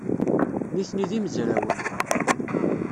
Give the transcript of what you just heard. Nitni d imezrawen.